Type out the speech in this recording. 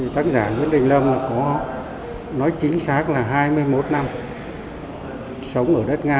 tăng giả nguyễn đình lâm là có nói chính xác là hai mươi một năm sống ở đất nga